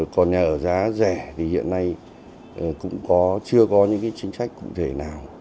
còn nhà ở giá rẻ thì hiện nay cũng chưa có những chính sách cụ thể nào